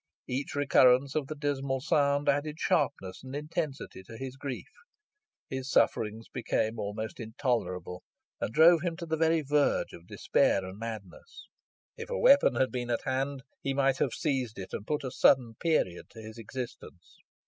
Each recurrence of the dismal sound added sharpness and intensity to his grief. His sufferings became almost intolerable, and drove him to the very verge of despair and madness. If a weapon had been at hand, he might have seized it, and put a sudden period to his existence.